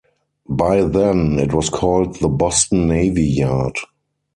By then, it was called the Boston Navy Yard.